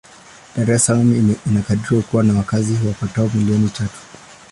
Dar es Salaam inakadiriwa kuwa na wakazi wapatao milioni tatu.